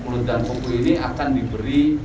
mulut dan bumbu ini akan diberi